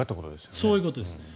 そういうことですね。